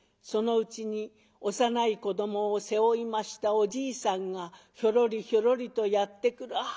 そのうちに幼い子どもを背負いましたおじいさんがひょろりひょろりとやって来る。